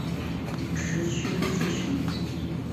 职缺资讯